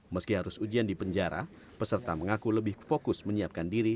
meski harus ujian di penjara peserta mengaku lebih fokus menyiapkan diri